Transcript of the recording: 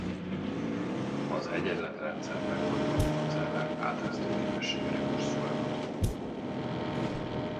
Az egyenletrendszert megoldva a cellák áteresztőképessége rekonstruálható.